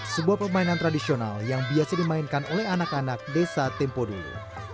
sebuah permainan tradisional yang biasa dimainkan oleh anak anak desa tempo dulu